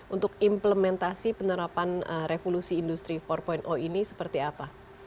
untuk implementasi penerapan revolusi industri empat ini seperti apa